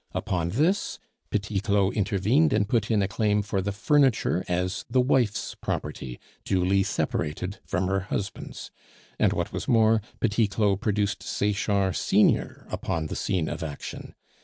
Upon this Petit Claud intervened and put in a claim for the furniture as the wife's property duly separated from her husband's; and what was more, Petit Claud produced Sechard senior upon the scene of action.